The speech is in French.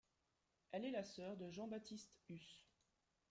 Elle est la sœur de Jean-Baptiste Hus.